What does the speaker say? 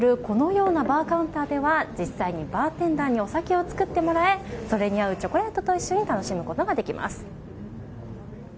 このようなバーカウンターでは実際にバーテンダーにお酒を作ってもらえそれに合うチョコレートと一緒に楽しむことができます。